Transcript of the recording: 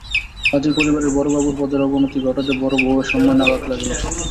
আজ এই পরিবারের বড়োবাবুর পদের অবনতি ঘটাতে বড়োবউয়ের সম্মানে আঘাত লাগিল।